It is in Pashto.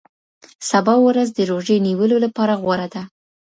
سبا ورځ د روژې نیولو لپاره غوره ده.